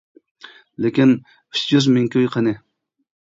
لېكىن ئۈچ يۈز مىڭ كوي قېنى.